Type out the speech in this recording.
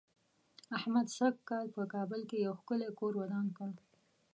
احمد سږ کال په کابل کې یو ښکلی کور ودان کړ.